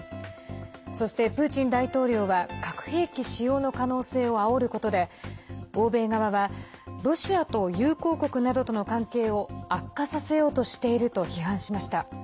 そして、プーチン大統領は核兵器使用の可能性をあおることで欧米側は、ロシアと友好国などとの関係を悪化させようとしていると批判しました。